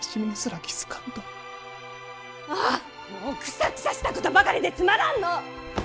あーもうくさくさしたことばかりでつまらんのぅ。